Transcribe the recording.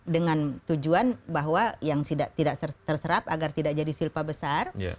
dengan tujuan bahwa yang tidak terserap agar tidak jadi silpa besar